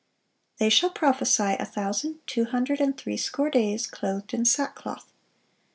"They shall prophesy a thousand two hundred and threescore days, clothed in sackcloth."